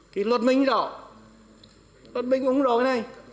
thì luật minh rõ luật minh cũng rõ cái này